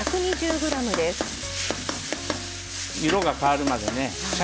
色が変わるまでね。